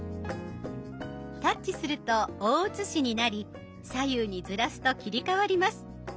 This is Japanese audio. タッチすると大写しになり左右にずらすと切り替わります。